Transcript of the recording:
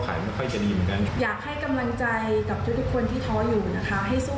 หลังจากนั้นเดี๋ยวเราก็อาจจะถ่ายได้อีก